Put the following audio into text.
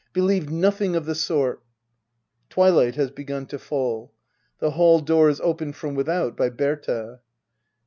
Believe nothing of the sort ! [Twilight has begun to fall. The halt door is opened from without by Berta.